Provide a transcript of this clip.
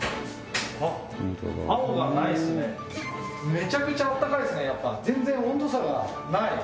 めちゃくちゃ暖かいですねやっぱ全然温度差がない